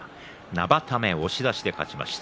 生田目、押し出しで勝ちました。